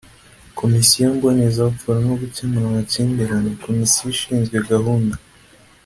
Komisiyo Mbonezabupfura no gukemura amakimbirane; Komisiyo ishinzwe gahunda